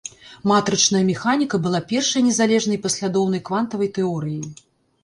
Матрычная механіка была першай незалежнай і паслядоўнай квантавай тэорыяй.